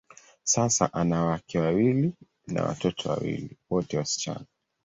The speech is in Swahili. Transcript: Sasa, ana wake wawili na watoto wawili, wote wasichana.